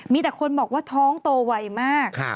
มีแต่คนบอกว่าท้องโตไวมาก